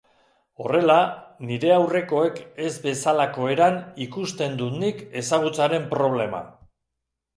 Horrela, nire aurrekoek ez bezalako eran ikusten dut nik ezagutzaren problema.